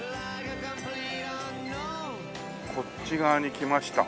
こっち側に来ました。